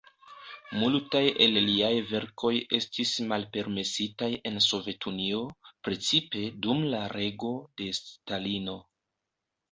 Multaj el liaj verkoj estis malpermesitaj en Sovetunio, precipe dum la rego de Stalino.